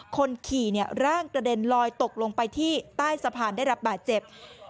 คนขี่ร่างกระเด็นลอยตกลงไปที่ใต้สะพานได้รับบาดเจ็บ